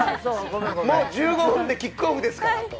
もう１５分でキックオフですから。